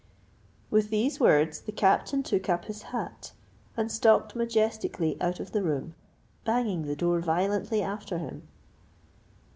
With these words the Captain took up his hat, and stalked majestically out of the room, banging the door violently after him.